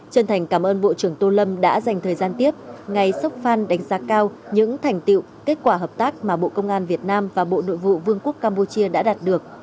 chân thành cảm ơn bộ trưởng tô lâm đã dành thời gian tiếp ngày sốc phan đánh giá cao những thành tiệu kết quả hợp tác mà bộ công an việt nam và bộ nội vụ vương quốc campuchia đã đạt được